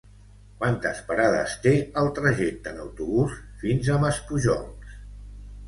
Quantes parades té el trajecte en autobús fins a Maspujols?